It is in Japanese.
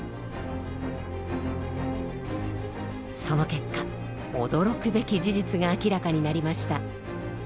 その結果驚くべき事実が明らかになりました。